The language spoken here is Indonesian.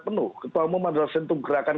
penuh ketua umum adalah sentuh gerakan